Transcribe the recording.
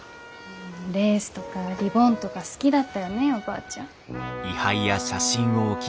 レースとかリボンとか好きだったよねおばあちゃん。